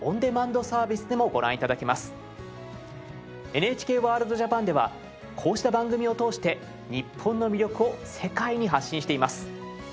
ＮＨＫワールドＪＡＰＡＮではこうした番組を通して日本の魅力を世界に発信しています。